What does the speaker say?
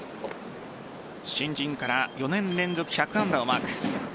新人から４年連続１００安打をマーク。